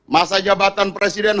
masa jabatan presiden